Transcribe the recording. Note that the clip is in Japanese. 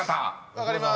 分かります。